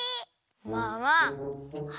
まあまあ。